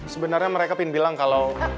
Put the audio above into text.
sebenarnya mereka ingin bilang kalau